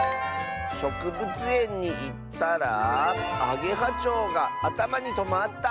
「しょくぶつえんにいったらあげはちょうがあたまにとまった！」。